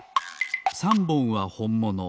３ぼんはほんもの